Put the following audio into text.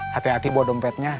hati hati bawa dompetnya